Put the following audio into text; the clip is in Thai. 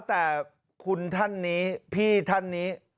แต่คุณท่านนี้พี่ท่านนี้